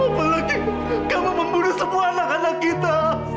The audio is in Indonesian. apalagi kamu membunuh semua anak anak kita